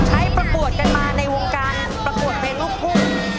ประกวดกันมาในวงการประกวดเพลงลูกทุ่ง